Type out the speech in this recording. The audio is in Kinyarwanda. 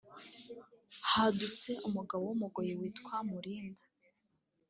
hadutse umugabo w’umugoyi witwa Mulinda